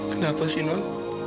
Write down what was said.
kenapa sih non